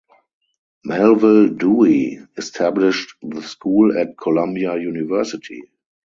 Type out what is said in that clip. Melvil Dewey established the school at Columbia University.